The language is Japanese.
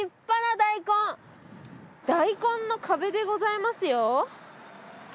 大根の壁でございますよ。